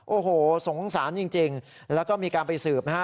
โอ้โหสงสารจริงแล้วก็มีการไปสืบนะฮะ